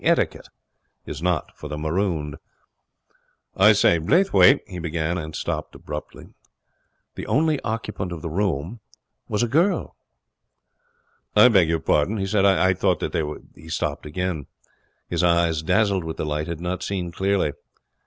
Etiquette is not for the marooned. 'I say, Blaythwayt ' he began, and stopped abruptly. The only occupant of the room was a girl. 'I beg your pardon,' he said, 'I thought ' He stopped again. His eyes, dazzled with the light, had not seen clearly.